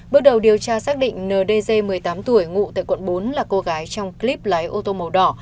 bước đầu điều tra xác định ndg một mươi tám tuổi ngụ tại quận bốn là cô gái trong clip lái ô tô màu đỏ